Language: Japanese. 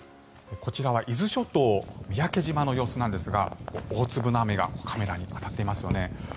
こちらは伊豆諸島・三宅島の様子なんですが大粒の雨がカメラに当たっていますよね。